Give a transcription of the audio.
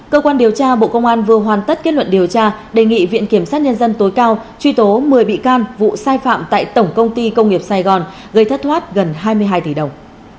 cơ quan điều tra bộ công an vừa hoàn tất kết luận điều tra đề nghị viện kiểm sát nhân dân tối cao truy tố một mươi bị can vụ sai phạm tại tổng công ty công nghiệp sài gòn gây thất thoát gần hai mươi hai tỷ đồng